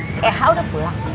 si eha udah pulang